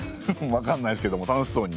わかんないですけども楽しそうに。